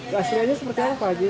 keaslianya sepertinya apa haji